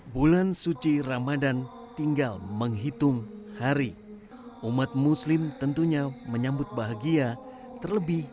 bulan suci ramadhan tinggal menghitung hari umat muslim tentunya menyambut bahagia terlebih